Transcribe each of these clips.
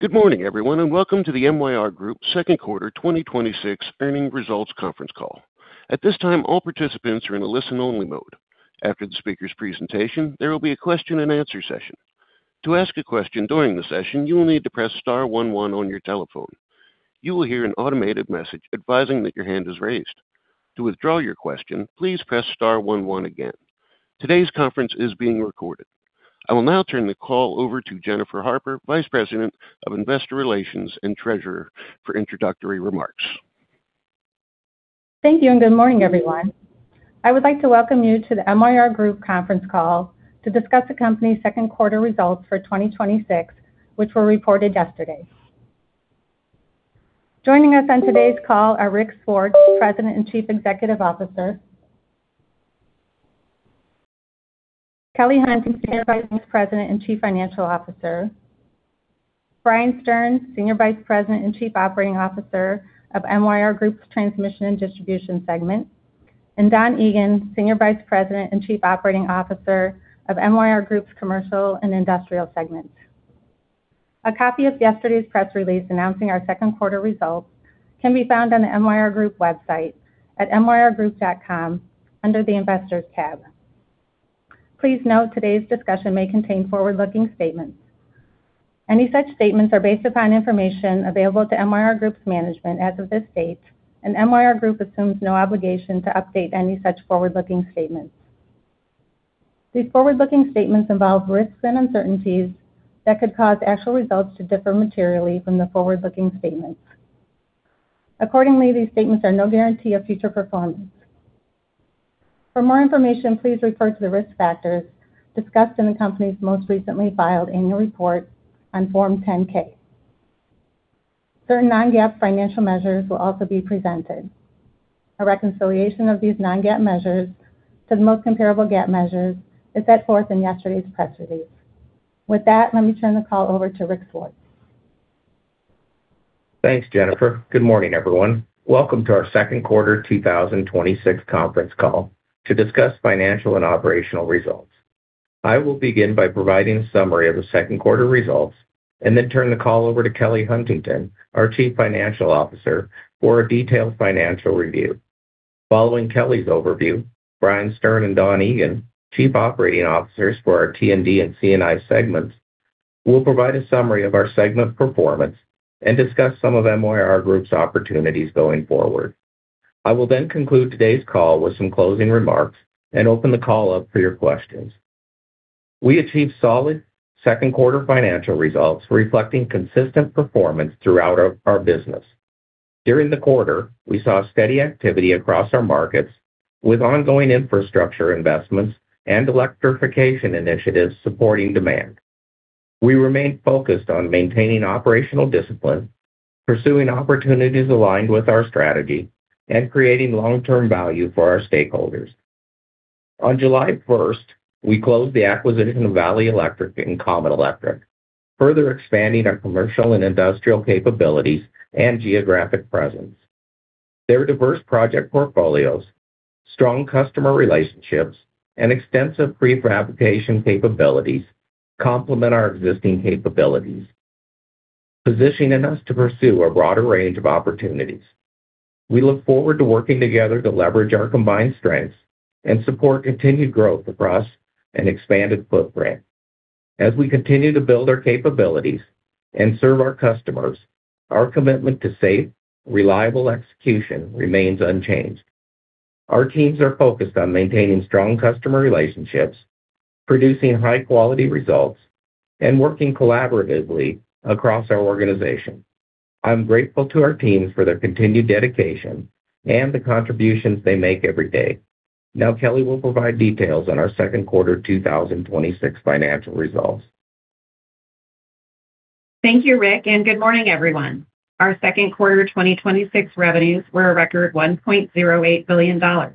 Good morning everyone, and welcome to the MYR Group Second Quarter 2026 Earnings Results Conference Call. At this time, all participants are in a listen-only mode. After the speaker's presentation, there will be a question-and-answer session. To ask a question during the session, you will need to press star one one on your telephone. You will hear an automated message advising that your hand is raised. To withdraw your question, please press star one one again. Today's conference is being recorded. I will now turn the call over to Jennifer Harper, Vice President, Investor Relations & Treasurer, for introductory remarks. Thank you. Good morning, everyone. I would like to welcome you to the MYR Group Conference Call to discuss the company's Second Quarter Results for 2026, which were reported yesterday. Joining us on today's call are Rick Swartz, President and Chief Executive Officer. Kelly Huntington, Senior Vice President and Chief Financial Officer. Brian Stern, Senior Vice President and Chief Operating Officer of MYR Group's Transmission & Distribution segment, and Don Egan, Senior Vice President and Chief Operating Officer of MYR Group's Commercial & Industrial segment. A copy of yesterday's press release announcing our second quarter results can be found on the MYR Group website at myrgroup.com under the Investors tab. Please note, today's discussion may contain forward-looking statements. Any such statements are based upon information available to MYR Group's management as of this date, and MYR Group assumes no obligation to update any such forward-looking statements. These forward-looking statements involve risks and uncertainties that could cause actual results to differ materially from the forward-looking statements. Accordingly, these statements are no guarantee of future performance. For more information, please refer to the risk factors discussed in the company's most recently filed annual report on Form 10-K. Certain non-GAAP financial measures will also be presented. A reconciliation of these non-GAAP measures to the most comparable GAAP measures is set forth in yesterday's press release. With that, let me turn the call over to Rick Swartz. Thanks, Jennifer. Good morning, everyone. Welcome to our Second Qarter 2026 Conference Call to discuss financial and operational results. I will begin by providing a summary of the second quarter results and then turn the call over to Kelly Huntington, our Chief Financial Officer, for a detailed financial review. Following Kelly's overview, Brian Stern and Don Egan, Chief Operating Officers for our T&D and C&I segments, will provide a summary of our segment performance and discuss some of MYR Group's opportunities going forward. I will then conclude today's call with some closing remarks and open the call up for your questions. We achieved solid second-quarter financial results reflecting consistent performance throughout our business. During the quarter, we saw steady activity across our markets with ongoing infrastructure investments and electrification initiatives supporting demand. We remain focused on maintaining operational discipline, pursuing opportunities aligned with our strategy, and creating long-term value for our stakeholders. On July 1st, we closed the acquisition of Valley Electric and Comet Electric, further expanding our commercial and industrial capabilities and geographic presence. Their diverse project portfolios, strong customer relationships, and extensive prefabrication capabilities complement our existing capabilities, positioning us to pursue a broader range of opportunities. We look forward to working together to leverage our combined strengths and support continued growth across an expanded footprint. As we continue to build our capabilities and serve our customers, our commitment to safe, reliable execution remains unchanged. Our teams are focused on maintaining strong customer relationships, producing high-quality results, and working collaboratively across our organization. I'm grateful to our teams for their continued dedication and the contributions they make every day. Kelly will provide details on our second quarter 2026 financial results. Thank you, Rick, and good morning, everyone. Our second quarter 2026 revenues were a record $1.08 billion,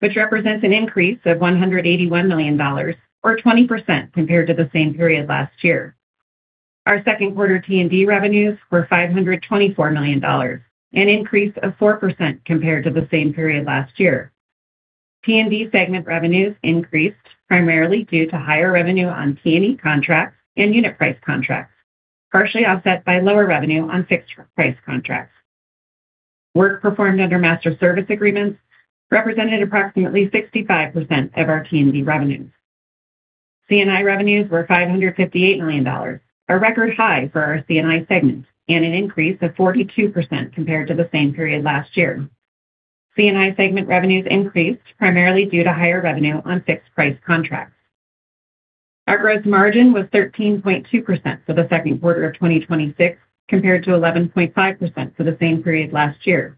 which represents an increase of $181 million or 20% compared to the same period last year. Our second quarter T&D revenues were $524 million, an increase of 4% compared to the same period last year. T&D segment revenues increased primarily due to higher revenue on T&M contracts and unit price contracts, partially offset by lower revenue on fixed-price contracts. Work performed under master service agreements represented approximately 65% of our T&D revenues. C&I revenues were $558 million, a record high for our C&I segment and an increase of 42% compared to the same period last year. C&I segment revenues increased primarily due to higher revenue on fixed-price contracts. Our gross margin was 13.2% for the second quarter of 2026, compared to 11.5% for the same period last year.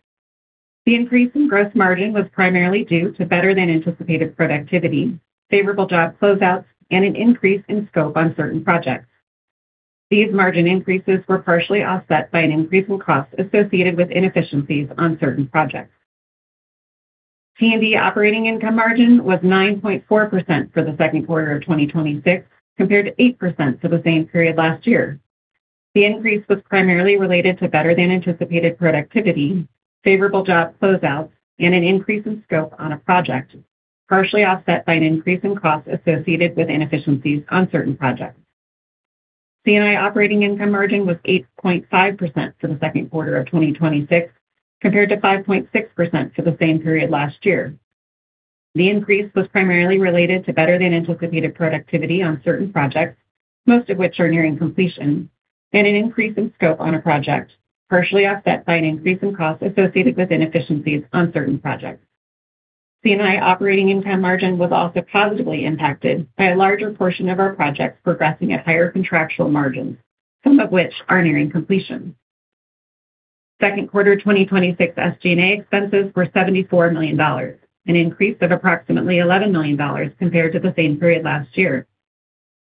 The increase in gross margin was primarily due to better-than-anticipated productivity, favorable job closeouts, and an increase in scope on certain projects. These margin increases were partially offset by an increase in costs associated with inefficiencies on certain projects. T&D operating income margin was 9.4% for the second quarter of 2026, compared to 8% for the same period last year. The increase was primarily related to better-than-anticipated productivity, favorable job closeouts, and an increase in scope on a project. Partially offset by an increase in costs associated with inefficiencies on certain projects. C&I operating income margin was 8.5% for the second quarter of 2026, compared to 5.6% for the same period last year. The increase was primarily related to better-than-anticipated productivity on certain projects, most of which are nearing completion, and an increase in scope on a project, partially offset by an increase in costs associated with inefficiencies on certain projects. C&I operating income margin was also positively impacted by a larger portion of our projects progressing at higher contractual margins, some of which are nearing completion. Second quarter 2026 SG&A expenses were $74 million, an increase of approximately $11 million compared to the same period last year.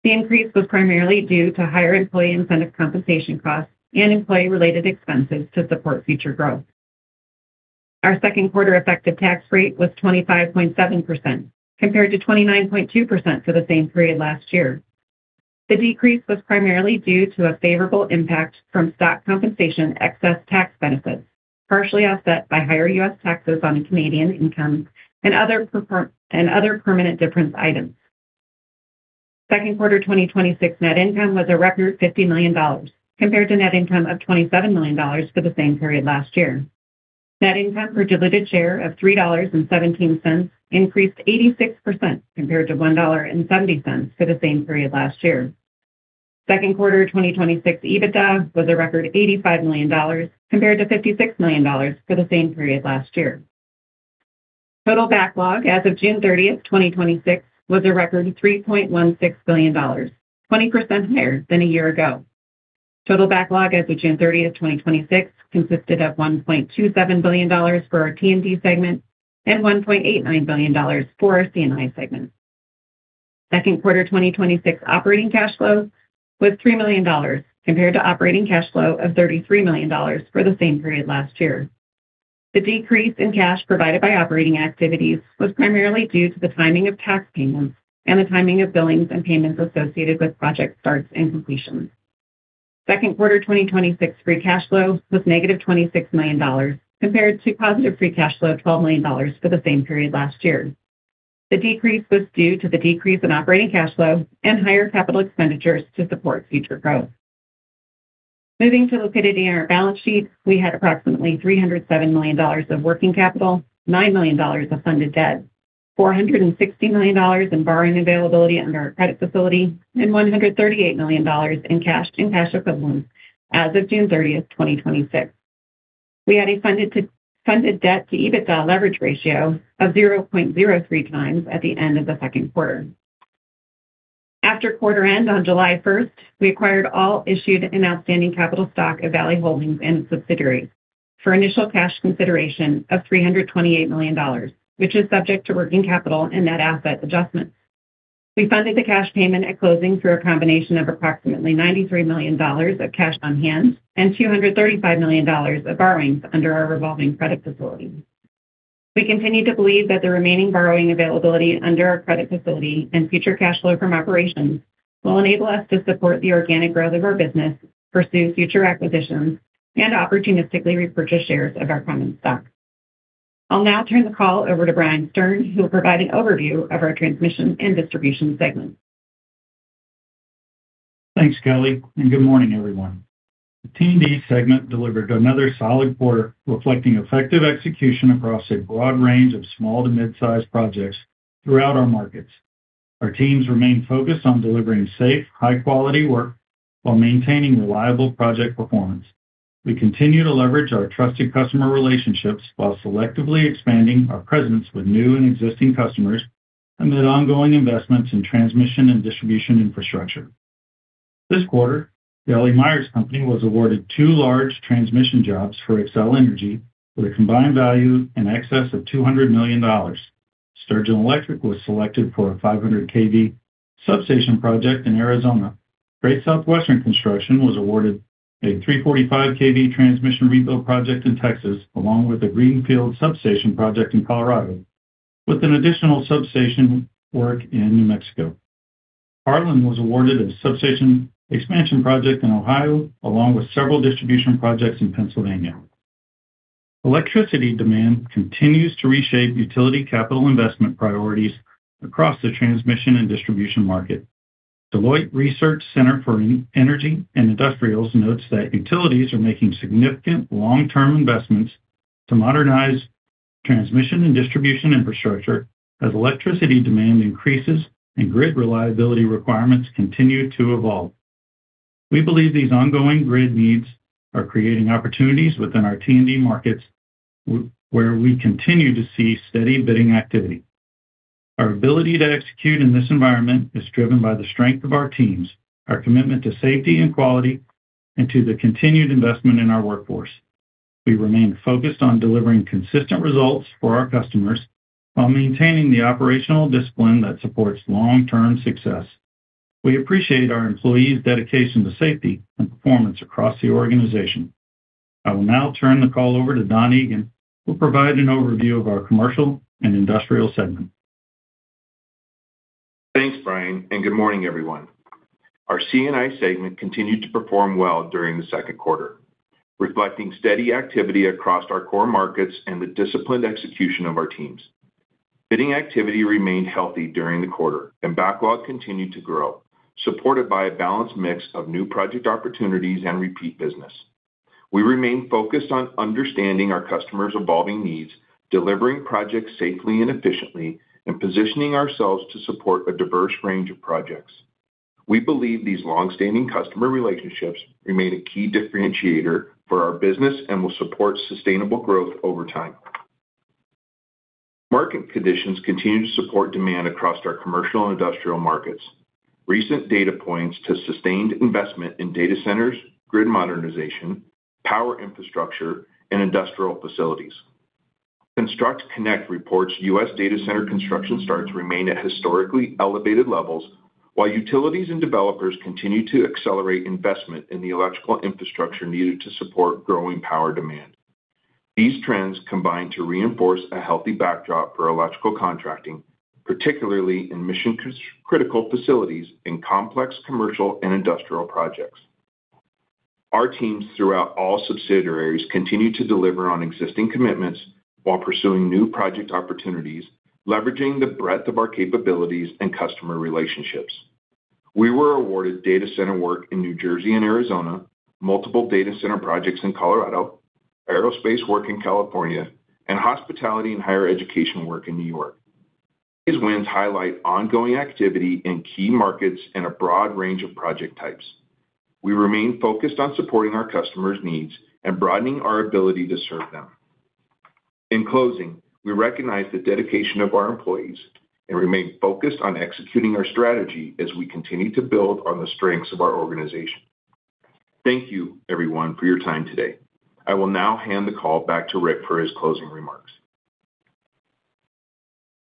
The increase was primarily due to higher employee incentive compensation costs and employee-related expenses to support future growth. Our second quarter effective tax rate was 25.7%, compared to 29.2% for the same period last year. The decrease was primarily due to a favorable impact from stock compensation excess tax benefits, partially offset by higher U.S. taxes on Canadian income and other permanent difference items. Second quarter 2026 net income was a record $50 million, compared to net income of $27 million for the same period last year. Net income per diluted share of $3.17 increased 86%, compared to $1.70 for the same period last year. Second quarter 2026 EBITDA was a record $85 million, compared to $56 million for the same period last year. Total backlog as of June 30th, 2026, was a record $3.16 billion, 20% higher than a year ago. Total backlog as of June 30th, 2026, consisted of $1.27 billion for our T&D segment and $1.89 billion for our C&I segment. Second quarter 2026 operating cash flow was $3 million, compared to operating cash flow of $33 million for the same period last year. The decrease in cash provided by operating activities was primarily due to the timing of tax payments and the timing of billings and payments associated with project starts and completions. Second quarter 2026 free cash flow was negative $26 million, compared to positive free cash flow of $12 million for the same period last year. The decrease was due to the decrease in operating cash flow and higher capital expenditures to support future growth. Moving to look at our balance sheet, we had approximately $307 million of working capital, $9 million of funded debt, $460 million in borrowing availability under our credit facility, and $138 million in cash and cash equivalents as of June 30th, 2026. We had a funded debt to EBITDA leverage ratio of 0.03 times at the end of the second quarter. After quarter end, on July 1st, we acquired all issued and outstanding capital stock of Valley Holdings and subsidiaries for initial cash consideration of $328 million, which is subject to working capital and net asset adjustments. We funded the cash payment at closing through a combination of approximately $93 million of cash on hand and $235 million of borrowings under our revolving credit facility. We continue to believe that the remaining borrowing availability under our credit facility and future cash flow from operations will enable us to support the organic growth of our business, pursue future acquisitions, and opportunistically repurchase shares of our common stock. I'll now turn the call over to Brian Stern, who will provide an overview of our Transmission & Distribution segment. Thanks, Kelly, good morning, everyone. The T&D segment delivered another solid quarter, reflecting effective execution across a broad range of small to mid-size projects throughout our markets. Our teams remain focused on delivering safe, high-quality work while maintaining reliable project performance. We continue to leverage our trusted customer relationships while selectively expanding our presence with new and existing customers amid ongoing investments in transmission and distribution infrastructure. This quarter, The L.E. Myers Co. was awarded two large transmission jobs for Xcel Energy with a combined value in excess of $200 million. Sturgeon Electric was selected for a 500 kV substation project in Arizona. Great Southwestern Construction was awarded a 345 kV transmission rebuild project in Texas, along with a greenfield substation project in Colorado, with an additional substation work in New Mexico. Harlan was awarded a substation expansion project in Ohio, along with several distribution projects in Pennsylvania. Electricity demand continues to reshape utility capital investment priorities across the transmission and distribution market. Deloitte Research Center for Energy & Industrials notes that utilities are making significant long-term investments to modernize transmission and distribution infrastructure as electricity demand increases and grid reliability requirements continue to evolve. We believe these ongoing grid needs are creating opportunities within our T&D markets, where we continue to see steady bidding activity. Our ability to execute in this environment is driven by the strength of our teams, our commitment to safety and quality, and to the continued investment in our workforce. We remain focused on delivering consistent results for our customers while maintaining the operational discipline that supports long-term success. We appreciate our employees' dedication to safety and performance across the organization. I will now turn the call over to Don Egan, who will provide an overview of our Commercial and Industrial segment. Thanks, Brian, good morning, everyone. Our C&I segment continued to perform well during the second quarter, reflecting steady activity across our core markets and the disciplined execution of our teams. Bidding activity remained healthy during the quarter, and backlog continued to grow, supported by a balanced mix of new project opportunities and repeat business. We remain focused on understanding our customers' evolving needs, delivering projects safely and efficiently, and positioning ourselves to support a diverse range of projects. We believe these longstanding customer relationships remain a key differentiator for our business and will support sustainable growth over time. Market conditions continue to support demand across our commercial and industrial markets. Recent data points to sustained investment in data centers, grid modernization, power infrastructure, and industrial facilities. ConstructConnect reports U.S. data center construction starts remain at historically elevated levels, while utilities and developers continue to accelerate investment in the electrical infrastructure needed to support growing power demand. These trends combine to reinforce a healthy backdrop for electrical contracting, particularly in mission-critical facilities in complex commercial and industrial projects. Our teams throughout all subsidiaries continue to deliver on existing commitments while pursuing new project opportunities, leveraging the breadth of our capabilities and customer relationships. We were awarded data center work in New Jersey and Arizona, multiple data center projects in Colorado, aerospace work in California, and hospitality and higher education work in New York. These wins highlight ongoing activity in key markets and a broad range of project types. We remain focused on supporting our customers' needs and broadening our ability to serve them. In closing, we recognize the dedication of our employees and remain focused on executing our strategy as we continue to build on the strengths of our organization. Thank you everyone for your time today. I will now hand the call back to Rick for his closing remarks.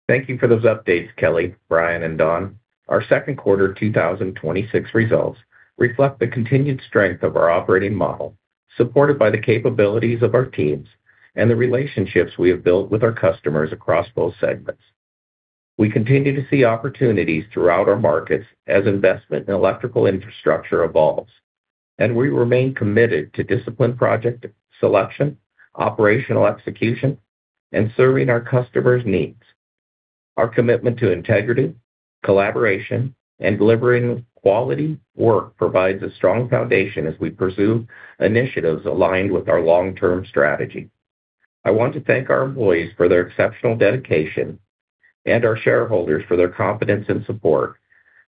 Thank you for those updates, Kelly, Brian, and Don. Our second quarter 2026 results reflect the continued strength of our operating model, supported by the capabilities of our teams and the relationships we have built with our customers across both segments. We continue to see opportunities throughout our markets as investment in electrical infrastructure evolves, and we remain committed to disciplined project selection, operational execution, and serving our customers' needs. Our commitment to integrity, collaboration, and delivering quality work provides a strong foundation as we pursue initiatives aligned with our long-term strategy. I want to thank our employees for their exceptional dedication and our shareholders for their confidence and support.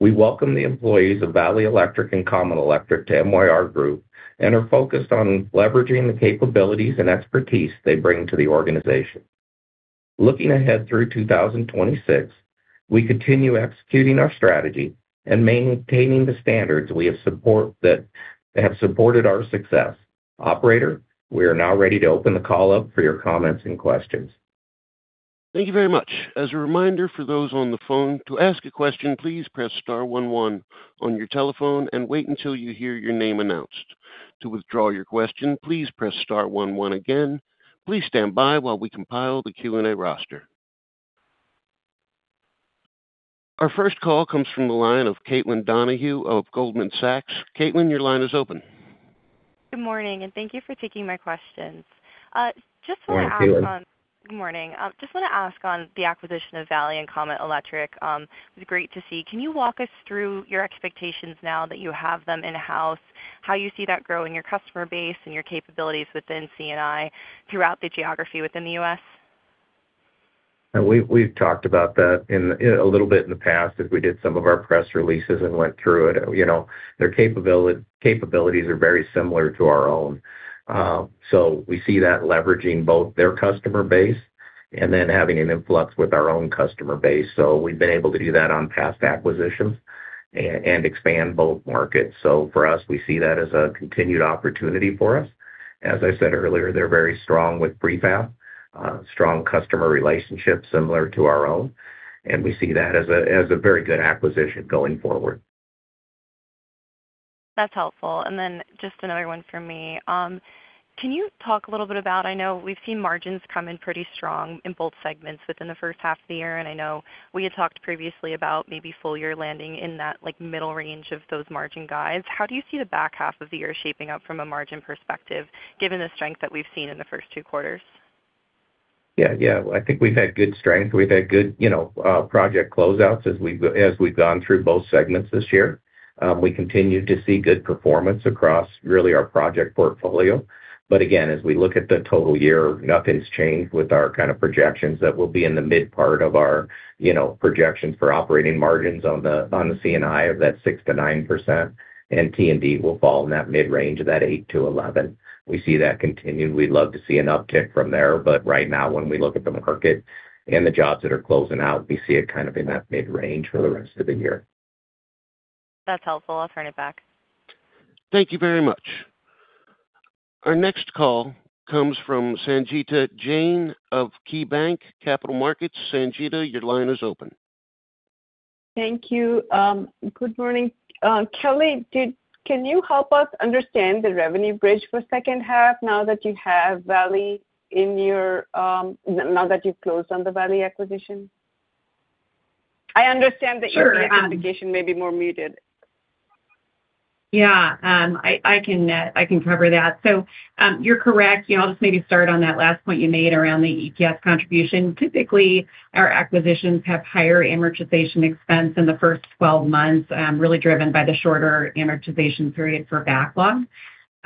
We welcome the employees of Valley Electric and Comet Electric to MYR Group and are focused on leveraging the capabilities and expertise they bring to the organization. Looking ahead through 2026, we continue executing our strategy and maintaining the standards that have supported our success. Operator, we are now ready to open the call up for your comments and questions. Thank you very much. As a reminder for those on the phone, to ask a question, please press star one one on your telephone and wait until you hear your name announced. To withdraw your question, please press star one one again. Please stand by while we compile the Q&A roster. Our first call comes from the line of Caitlin Donohue of Goldman Sachs. Caitlin, your line is open. Good morning, thank you for taking my questions. Morning, Caitlin. Good morning. Just want to ask on the acquisition of Valley and Comet Electric. It was great to see. Can you walk us through your expectations now that you have them in-house, how you see that growing your customer base and your capabilities within C&I throughout the geography within the U.S.? We've talked about that a little bit in the past as we did some of our press releases and went through it. Their capabilities are very similar to our own. We see that leveraging both their customer base and then having an influx with our own customer base. We've been able to do that on past acquisitions and expand both markets. For us, we see that as a continued opportunity for us. As I said earlier, they're very strong with prefab, strong customer relationships similar to our own, and we see that as a very good acquisition going forward. That's helpful. Just another one from me. Can you talk a little bit about, I know we've seen margins come in pretty strong in both segments within the first half of the year, and I know we had talked previously about maybe full year landing in that middle range of those margin guides. How do you see the back half of the year shaping up from a margin perspective, given the strength that we've seen in the first two quarters? Yeah. I think we've had good strength. We've had good project closeouts as we've gone through both segments this year. We continue to see good performance across really our project portfolio. Again, as we look at the total year, nothing's changed with our projections that we'll be in the mid part of our projections for operating margins on the C&I of that 6%-9%, and T&D will fall in that mid-range of that 8%-11%. We see that continue. We'd love to see an uptick from there, but right now, when we look at the market and the jobs that are closing out, we see it kind of in that mid-range for the rest of the year. That's helpful. I'll turn it back. Thank you very much. Our next call comes from Sangita Jain of KeyBanc Capital Markets. Sangita, your line is open. Thank you. Good morning. Kelly, can you help us understand the revenue bridge for second half now that you've closed on the Valley acquisition? I understand that your EPS contribution may be more muted. Yeah. I can cover that. You're correct. I'll just maybe start on that last point you made around the EPS contribution. Typically, our acquisitions have higher amortization expense in the first 12 months, really driven by the shorter amortization period for backlog.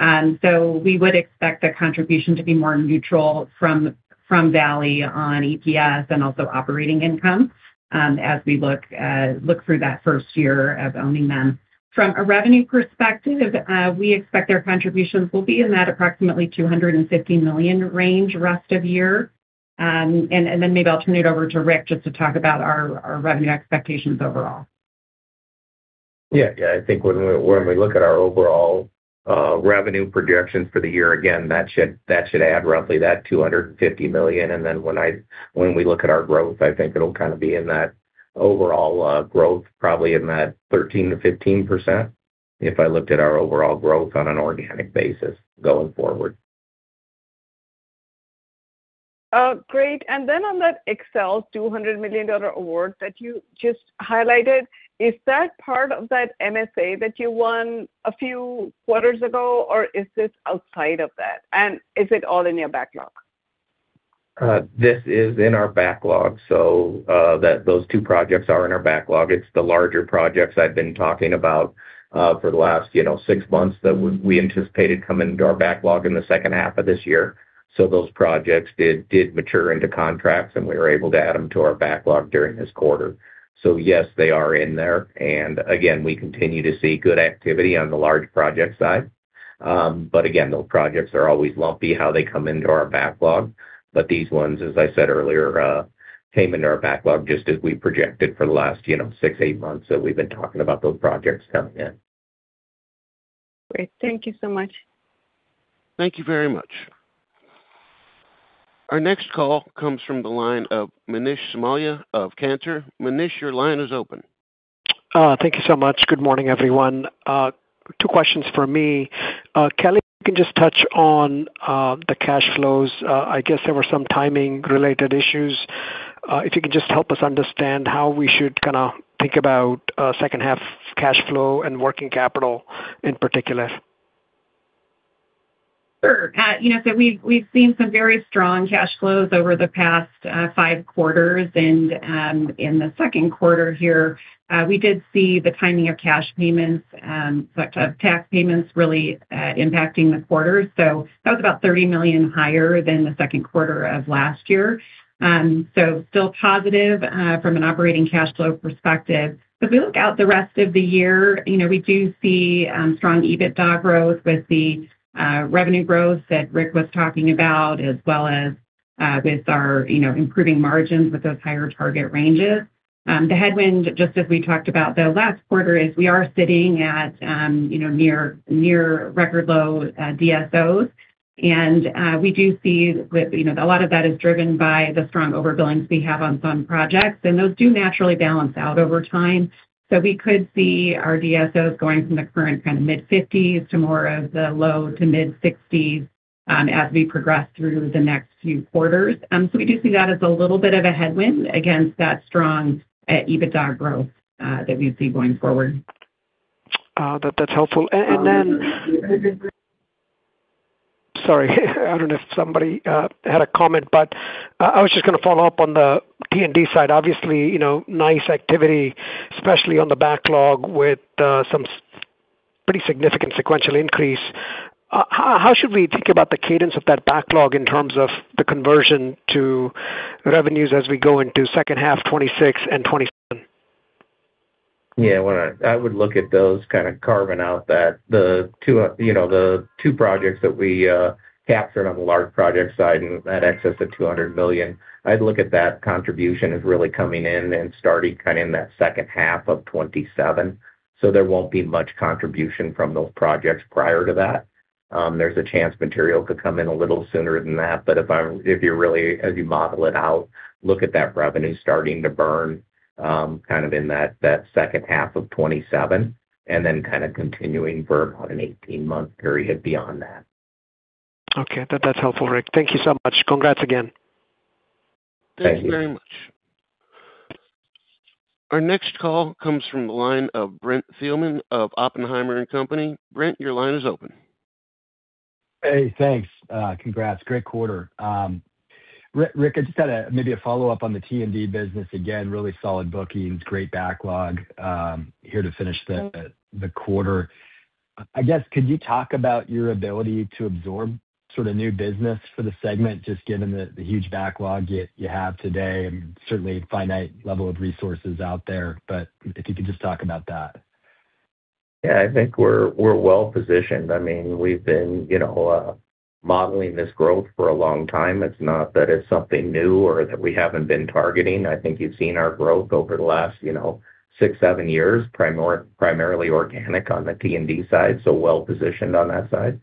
We would expect the contribution to be more neutral from Valley on EPS and also operating income, as we look through that first year of owning them. From a revenue perspective, we expect their contributions will be in that approximately $250 million range rest of year. Maybe I'll turn it over to Rick just to talk about our revenue expectations overall. Yeah. I think when we look at our overall revenue projections for the year, again, that should add roughly that $250 million, and then when we look at our growth, I think it'll kind of be in that overall growth, probably in that 13%-15%, if I looked at our overall growth on an organic basis going forward. Great. On that Xcel Energy $200 million award that you just highlighted, is that part of that MSA that you won a few quarters ago, or is this outside of that? Is it all in your backlog? This is in our backlog. Those two projects are in our backlog. It's the larger projects I've been talking about for the last six months that we anticipated coming into our backlog in the second half of this year. Those projects did mature into contracts, and we were able to add them to our backlog during this quarter. Yes, they are in there, and again, we continue to see good activity on the large project side. Again, those projects are always lumpy how they come into our backlog. These ones, as I said earlier, came into our backlog just as we projected for the last six, eight months that we've been talking about those projects coming in. Great. Thank you so much. Thank you very much. Our next call comes from the line of Manish Somaiya of Cantor. Manish, your line is open. Thank you so much. Good morning, everyone. Two questions for me. Kelly, if you can just touch on the cash flows. I guess there were some timing-related issues. If you could just help us understand how we should kind of think about second half cash flow and working capital in particular. Sure. We've seen some very strong cash flows over the past five quarters, and in the second quarter here, we did see the timing of cash payments, select of tax payments really impacting the quarter. That was about $30 million higher than the second quarter of last year. Still positive from an operating cash flow perspective. If we look out the rest of the year, we do see strong EBITDA growth with the revenue growth that Rick was talking about, as well as with our improving margins with those higher target ranges. The headwind, just as we talked about the last quarter, is we are sitting at near record low DSOs. We do see a lot of that is driven by the strong over-billings we have on some projects, and those do naturally balance out over time. We could see our DSOs going from the current mid-50s to more of the low to mid-60s as we progress through the next few quarters. We do see that as a little bit of a headwind against that strong EBITDA growth that we see going forward. That's helpful. Sorry. I don't know if somebody had a comment, but I was just going to follow up on the T&D side. Obviously, nice activity, especially on the backlog with some pretty significant sequential increase. How should we think about the cadence of that backlog in terms of the conversion to revenues as we go into second half 2026 and 2027? Yeah. I would look at those kind of carving out the two projects that we captured on the large project side and that excess of $200 million. I'd look at that contribution as really coming in and starting kind of in that second half of 2027. There won't be much contribution from those projects prior to that. There's a chance material could come in a little sooner than that, but as you model it out, look at that revenue starting to burn kind of in that second half of 2027, and then kind of continuing burn on an 18-month period beyond that. Okay. That's helpful, Rick. Thank you so much. Congrats again. Thank you. Thank you very much. Our next call comes from the line of Brent Thielman of Oppenheimer & Co. Brent, your line is open. Hey, thanks. Congrats. Great quarter. Rick, I just had maybe a follow-up on the T&D business. Again, really solid bookings, great backlog here to finish the quarter. I guess, could you talk about your ability to absorb sort of new business for the segment, just given the huge backlog you have today, and certainly a finite level of resources out there, but if you could just talk about that? Yeah, I think we're well-positioned. We've been modeling this growth for a long time. It's not that it's something new or that we haven't been targeting. I think you've seen our growth over the last six, seven years, primarily organic on the T&D side, so well-positioned on that side.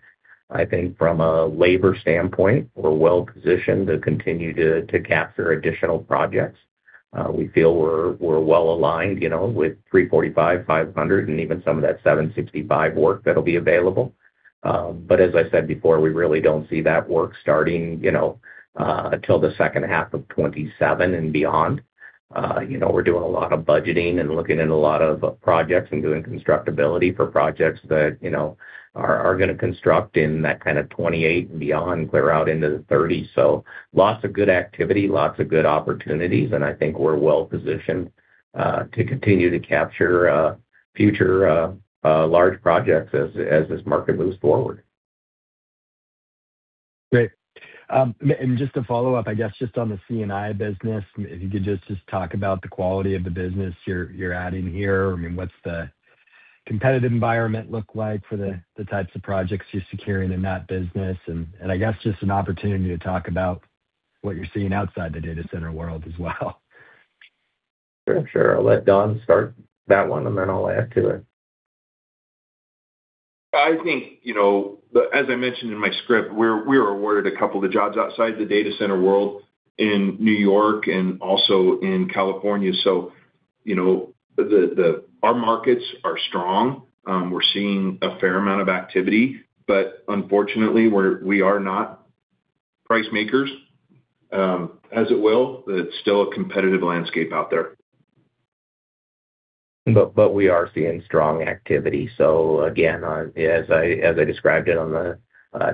I think from a labor standpoint, we're well-positioned to continue to capture additional projects. We feel we're well-aligned with 345, 500, and even some of that 765 work that'll be available. As I said before, we really don't see that work starting until the second half of 2027 and beyond. We're doing a lot of budgeting and looking at a lot of projects and doing constructability for projects that are going to construct in that kind of 2028 and beyond, clear out into the 30s. Lots of good activity, lots of good opportunities, and I think we're well-positioned to continue to capture future large projects as this market moves forward. Great. Just to follow up, I guess, just on the C&I business, if you could just talk about the quality of the business you're adding here. What's the competitive environment look like for the types of projects you're securing in that business? I guess just an opportunity to talk about what you're seeing outside the data center world as well. Sure. I'll let Don start that one, and then I'll add to it. I think, as I mentioned in my script, we were awarded a couple of jobs outside the data center world in New York and also in California. Our markets are strong. Unfortunately, we are not price makers as it will. It's still a competitive landscape out there. We are seeing strong activity. Again, as I described it on the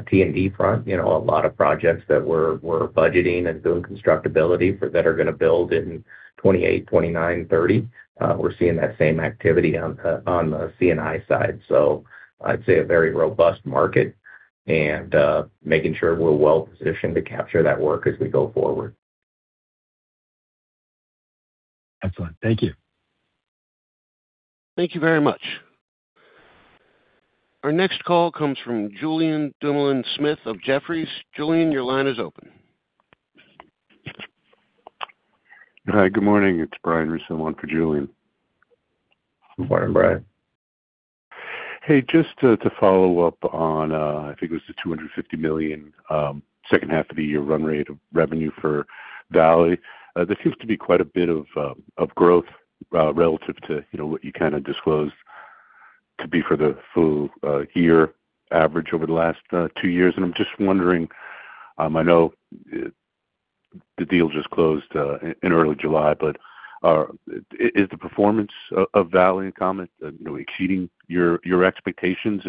T&D front, a lot of projects that we're budgeting and doing constructability for that are going to build in 2028, 2029, 2030. We're seeing that same activity on the C&I side. I'd say a very robust market and making sure we're well-positioned to capture that work as we go forward. Excellent. Thank you. Thank you very much. Our next call comes from Julien Dumoulin-Smith of Jefferies. Julien, your line is open. Hi. Good morning. It's Brian Russo on for Julien. Good morning, Brian. Hey, just to follow up on, I think it was the $250 million, second half of the year run rate of revenue for Valley. There seems to be quite a bit of growth relative to what you kind of disclosed to be for the full year average over the last two years. I'm just wondering, I know the deal just closed in early July, but is the performance of Valley and Comet exceeding your expectations?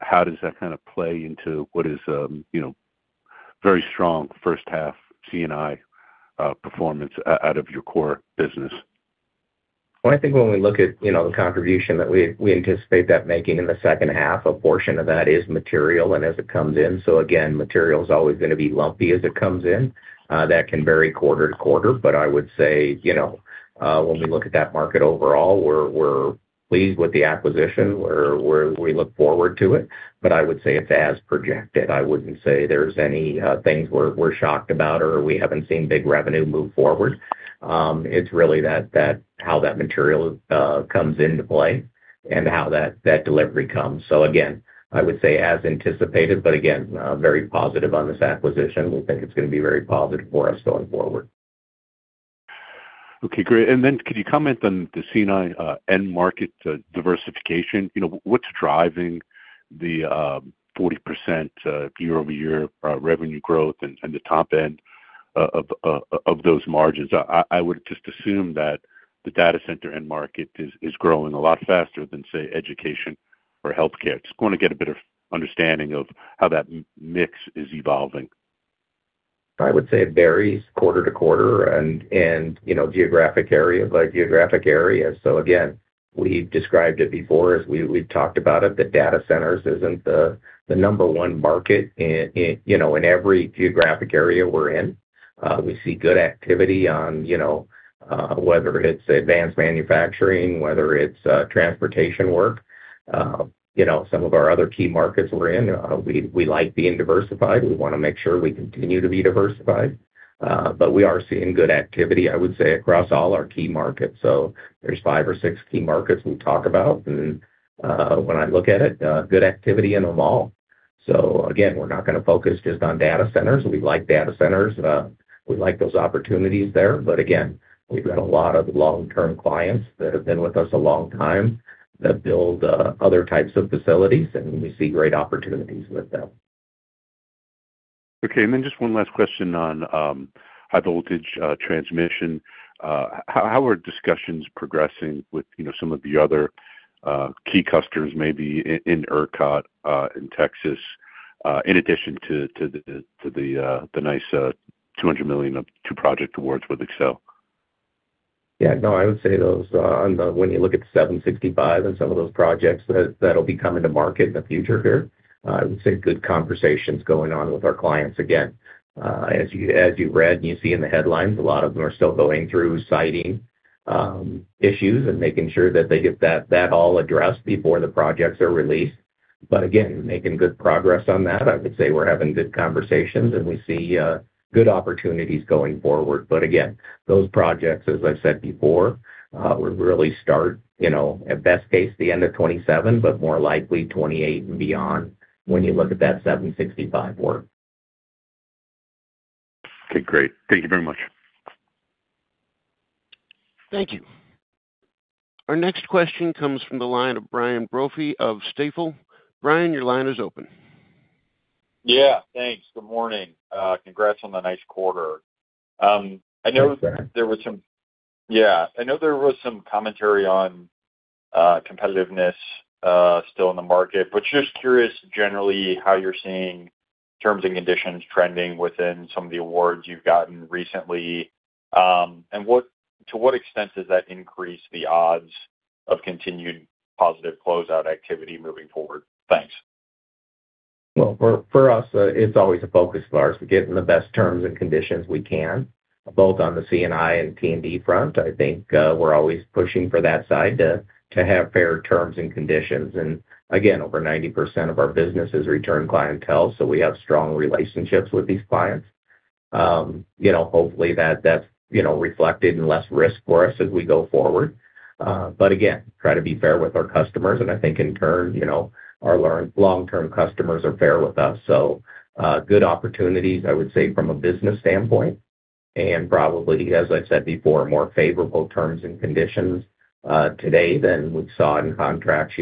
How does that kind of play into what is very strong first half C&I performance out of your core business? I think when we look at the contribution that we anticipate that making in the second half, a portion of that is material and as it comes in. Again, material is always going to be lumpy as it comes in. That can vary quarter-to-quarter. I would say, when we look at that market overall, we're pleased with the acquisition, we look forward to it. I would say it's as projected. I wouldn't say there's any things we're shocked about or we haven't seen big revenue move forward. It's really how that material comes into play and how that delivery comes. Again, I would say as anticipated, but again, very positive on this acquisition. We think it's going to be very positive for us going forward. Okay, great. Could you comment on the C&I end market diversification? What's driving the 40% year-over-year revenue growth and the top end of those margins? I would just assume that the data center end market is growing a lot faster than, say, education or healthcare. Just want to get a bit of understanding of how that mix is evolving. I would say it varies quarter-to-quarter and geographic area by geographic area. Again, we've described it before as we've talked about it, that data centers isn't the number one market in every geographic area we're in. We see good activity on whether it's advanced manufacturing, whether it's transportation work. Some of our other key markets we're in, we like being diversified. We want to make sure we continue to be diversified. We are seeing good activity, I would say, across all our key markets. There's five or six key markets we talk about. When I look at it, good activity in them all. Again, we're not going to focus just on data centers. We like data centers. We like those opportunities there. Again, we've got a lot of long-term clients that have been with us a long time that build other types of facilities, and we see great opportunities with them. Okay. Just one last question on high voltage transmission. How are discussions progressing with some of the other key customers, maybe in ERCOT in Texas, in addition to the nice $200 million of two project awards with Xcel? Yeah. No, I would say those, when you look at 765 and some of those projects that'll be coming to market in the future here, I would say good conversations going on with our clients again. As you read and you see in the headlines, a lot of them are still going through siting issues and making sure that they get that all addressed before the projects are released. Again, making good progress on that. I would say we're having good conversations and we see good opportunities going forward. Again, those projects, as I've said before, would really start, at best case, the end of 2027, but more likely 2028 and beyond when you look at that 765 work. Okay, great. Thank you very much. Thank you. Our next question comes from the line of Brian Brophy of Stifel. Brian, your line is open. Yeah, thanks. Good morning. Congrats on the nice quarter. Thanks, Brian. Yeah. I know there was some commentary on competitiveness still in the market, but just curious generally how you're seeing terms and conditions trending within some of the awards you've gotten recently. To what extent does that increase the odds of continued positive closeout activity moving forward? Thanks. Well, for us, it's always a focus of ours to get in the best terms and conditions we can, both on the C&I and T&D front. I think we're always pushing for that side to have fair terms and conditions. Again, over 90% of our business is return clientele, so we have strong relationships with these clients. Hopefully, that's reflected in less risk for us as we go forward. Again, try to be fair with our customers, and I think in turn, our long-term customers are fair with us. Good opportunities, I would say, from a business standpoint, and probably, as I said before, more favorable terms and conditions today than we saw in contracts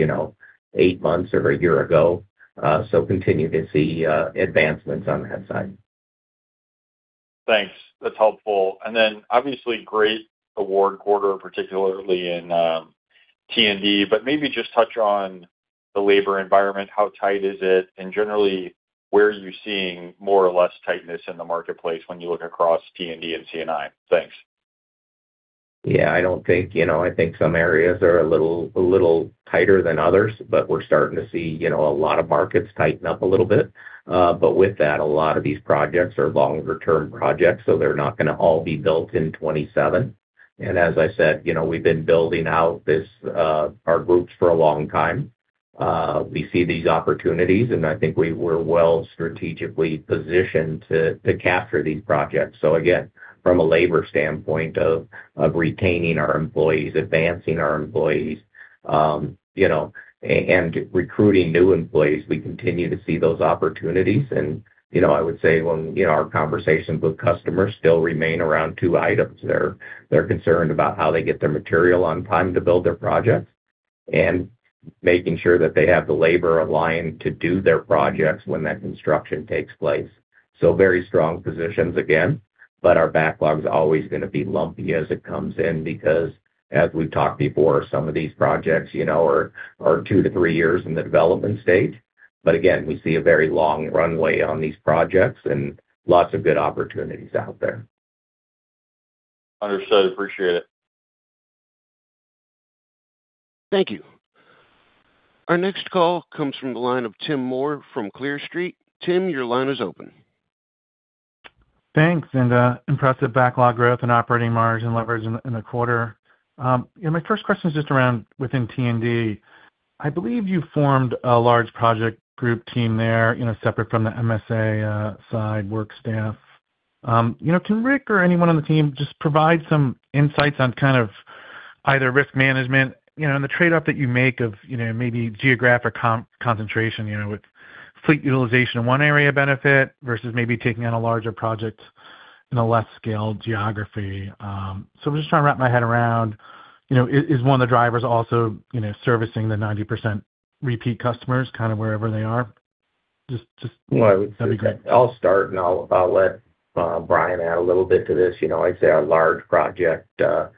eight months or a year ago. Continue to see advancements on that side. Thanks. That's helpful. Obviously, great award quarter, particularly in T&D, maybe just touch on the labor environment, how tight is it, and generally, where are you seeing more or less tightness in the marketplace when you look across T&D and C&I? Thanks. Yeah, I think some areas are a little tighter than others. We're starting to see a lot of markets tighten up a little bit. With that, a lot of these projects are longer-term projects, so they're not going to all be built in 2027. As I said, we've been building out our groups for a long time. We see these opportunities, and I think we were well strategically positioned to capture these projects. Again, from a labor standpoint of retaining our employees, advancing our employees, and recruiting new employees, we continue to see those opportunities. I would say our conversations with customers still remain around two items. They're concerned about how they get their material on time to build their projects and making sure that they have the labor aligned to do their projects when that construction takes place. Very strong positions again. Our backlog's always going to be lumpy as it comes in because, as we've talked before, some of these projects are two to three years in the development stage. Again, we see a very long runway on these projects and lots of good opportunities out there. Understood. Appreciate it. Thank you. Our next call comes from the line of Tim Moore from Clear Street. Tim, your line is open. Thanks, impressive backlog growth and operating margin leverage in the quarter. My first question is just around within T&D. I believe you formed a large project group team there, separate from the MSA side work staff. Can Rick or anyone on the team just provide some insights on kind of either risk management and the trade-off that you make of maybe geographic concentration with fleet utilization in one area benefit versus maybe taking on a larger project in a less scaled geography? I'm just trying to wrap my head around, is one of the drivers also servicing the 90% repeat customers, kind of wherever they are? No, I would say, I'll start I'll let Brian add a little bit to this. I'd say our large project group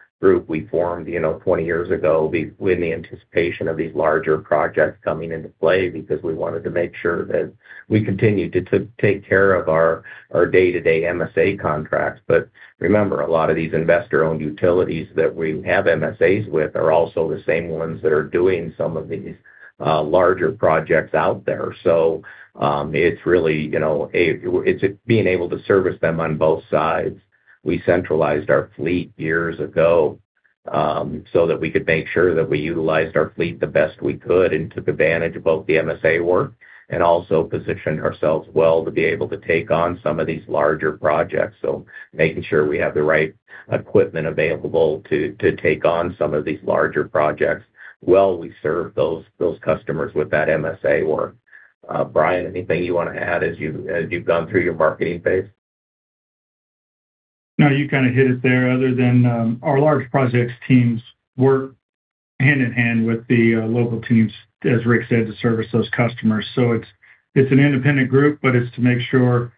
we formed 20 years ago in the anticipation of these larger projects coming into play because we wanted to make sure that we continued to take care of our day-to-day MSA contracts. Remember, a lot of these investor-owned utilities that we have MSAs with are also the same ones that are doing some of these larger projects out there. It's being able to service them on both sides. We centralized our fleet years ago so that we could make sure that we utilized our fleet the best we could and took advantage of both the MSA work and also positioned ourselves well to be able to take on some of these larger projects. Making sure we have the right equipment available to take on some of these larger projects while we serve those customers with that MSA work. Brian, anything you want to add as you've gone through your marketing phase? You kind of hit it there other than our large projects teams work hand-in-hand with the local teams, as Rick said, to service those customers. It's an independent group, but it's to make sure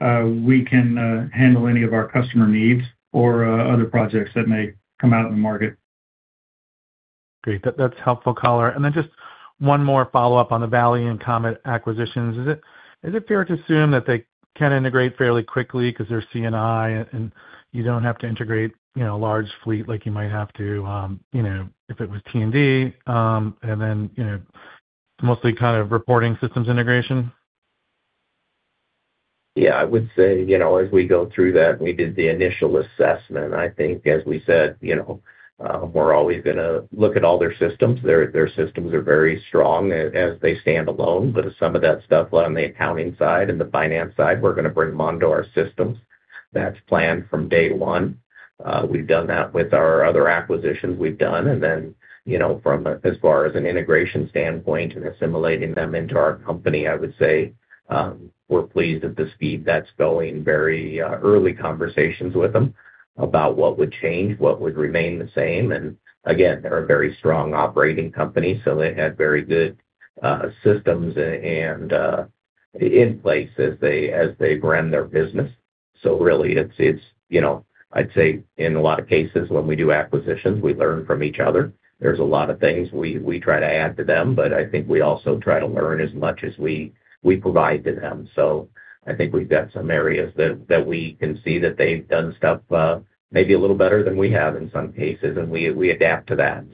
we can handle any of our customer needs or other projects that may come out in the market. Great. That's helpful, caller. Just one more follow-up on the Valley and Comet acquisitions. Is it fair to assume that they can integrate fairly quickly because they're C&I and you don't have to integrate large fleet like you might have to if it was T&D, and then mostly kind of reporting systems integration? I would say, as we go through that, we did the initial assessment. I think as we said, we're always going to look at all their systems. Their systems are very strong as they stand alone. Some of that stuff on the accounting side and the finance side, we're going to bring them onto our systems. That's planned from day one. We've done that with our other acquisitions we've done. From as far as an integration standpoint and assimilating them into our company, I would say, we're pleased at the speed that's going. Very early conversations with them about what would change, what would remain the same. Again, they're a very strong operating company, so they had very good systems in place as they ran their business. Really, I'd say in a lot of cases when we do acquisitions, we learn from each other. There's a lot of things we try to add to them, I think we also try to learn as much as we provide to them. I think we've got some areas that we can see that they've done stuff maybe a little better than we have in some cases, and we adapt to that.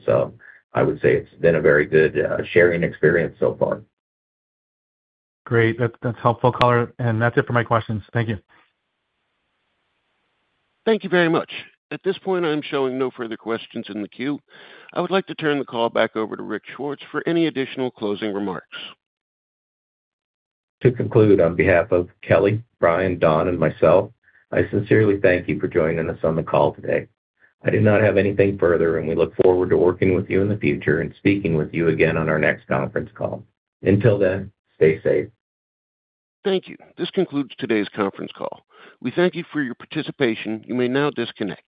I would say it's been a very good sharing experience so far. Great. That's helpful, caller. That's it for my questions. Thank you. Thank you very much. At this point, I'm showing no further questions in the queue. I would like to turn the call back over to Rick Swartz for any additional closing remarks. To conclude, on behalf of Kelly, Brian, Don, and myself, I sincerely thank you for joining us on the call today. I do not have anything further. We look forward to working with you in the future and speaking with you again on our next conference call. Until then, stay safe. Thank you. This concludes today's conference call. We thank you for your participation. You may now disconnect.